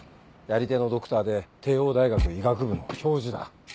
やり手のドクターで帝王大学医学部の教授だ。